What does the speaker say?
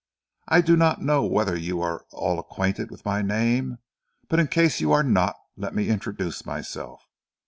I do not know whether you are all acquainted with my name, but in case you are not, let me introduce myself.